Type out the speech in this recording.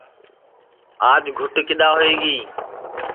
آج گُٹ کِدؔا ہوئی گی